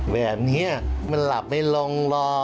แบบนี้มันหลับไม่ลงรอ